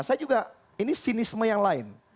saya juga ini sinisme yang lain